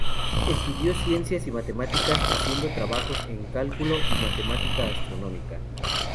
Estudió ciencias y matemáticas, haciendo trabajos en cálculo y matemática astronómica.